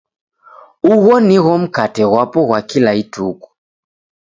Ughu nigho mkate ghwapo ghwa kila ituku.